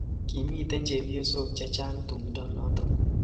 Kimitei chepyosok chechang tumdo noto